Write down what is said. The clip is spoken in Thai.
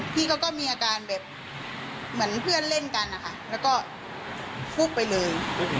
พี่เขาก็มีอาการแบบเหมือนเพื่อนเล่นกันนะคะแล้วก็ฟุบไปเลย